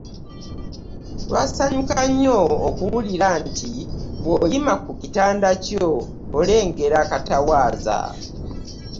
Twasanyuka nnyo okuwulira nti bw'oyima ku kitanda kyo olengera akatawaaza.